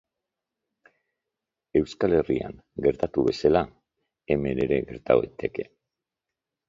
Euskal Herrian gertatu bezala, hemen ere gerta daiteke.